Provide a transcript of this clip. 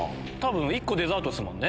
１個デザートですもんね。